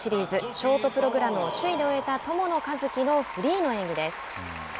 ショートプログラムを首位で終えた友野一希のフリーの演技です。